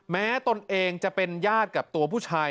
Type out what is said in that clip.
ตนเองจะเป็นญาติกับตัวผู้ชาย